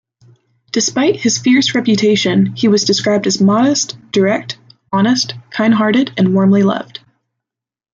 Despite his fierce reputation he was described as modest, direct, honest, kind-hearted and warmly-loved.